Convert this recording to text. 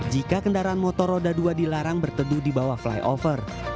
jika kendaraan motor roda dua dilarang berteduh di bawah flyover